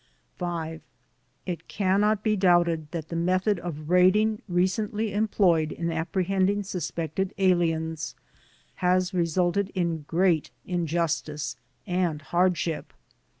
5. It cannot be doubted that the method of raiding recently employed in apprehending suspected aliens has resulted in great injustice and hardship.